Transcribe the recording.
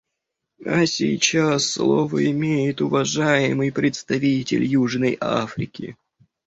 А сейчас слово имеет уважаемый представитель Южной Африки.